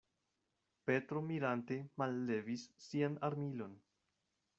Petro mirante mallevis sian armilon.